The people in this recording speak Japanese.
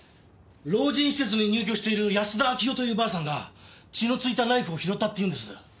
老人施設に入居している安田明代というばあさんが血のついたナイフを拾ったって言うんです。